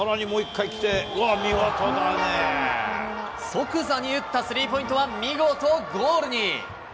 即座に打ったスリーポイントは見事ゴールに。